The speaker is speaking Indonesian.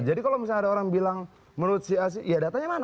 jadi kalau misalnya ada orang bilang menurut si aci ya datanya mana